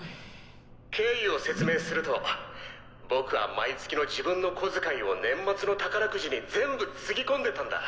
経緯を説明すると僕は毎月の自分の小遣いを年末の宝くじに全部つぎ込んでたんだ。